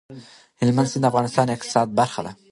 هلمند سیند د افغانستان د اقتصاد برخه ده.